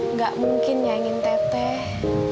nggak mungkin yang ingin teteh